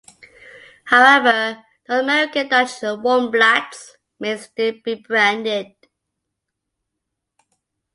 However, North American Dutch Warmbloods may still be branded.